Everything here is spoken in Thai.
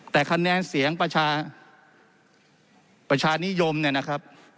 แต่คะแนนเสียงประชานิยมเนี่ยนะครับ